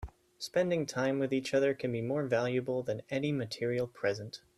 Spending time with each other can be more valuable than any material present.